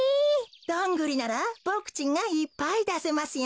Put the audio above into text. ドングリならボクちんがいっぱいだせますよ。